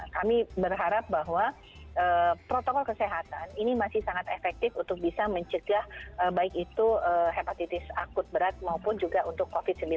kami berharap bahwa protokol kesehatan ini masih sangat efektif untuk bisa mencegah baik itu hepatitis akut berat maupun juga untuk covid sembilan belas